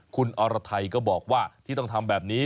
คุณอรไทยก็บอกว่าที่ต้องทำแบบนี้